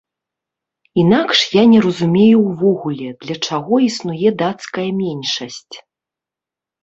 Інакш я не разумею ўвогуле, для чаго існуе дацкая меншасць.